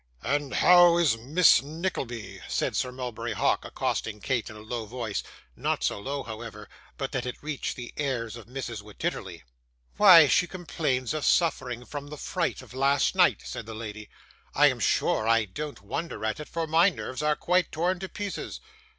'And how is Miss Nickleby?' said Sir Mulberry Hawk, accosting Kate, in a low voice not so low, however, but that it reached the ears of Mrs Wititterly. 'Why, she complains of suffering from the fright of last night,' said the lady. 'I am sure I don't wonder at it, for my nerves are quite torn to pieces.